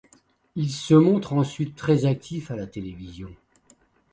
Il se montre ensuite très actif à la télévision.